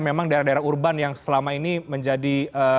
memang daerah daerah urban yang selama ini menjadi